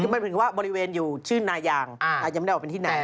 มันถึงว่าบริเวณอยู่ชื่อนายางแต่ยังไม่ได้ออกเป็นที่ไหน